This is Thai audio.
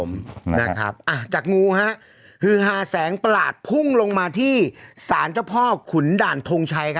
นะครับอ่าจากงูฮะฮือหาแสงประหลาดพุ่งลงมาที่สารเจ้าพ่อขุนด่านทงชัยครับ